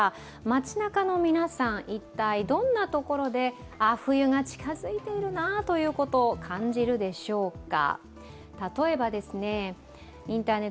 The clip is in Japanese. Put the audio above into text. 街なかの皆さん、一体どんなところで冬が近づいていると感じるでしょうか。